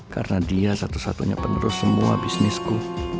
karena dia satu satunya penerus semua bisnisku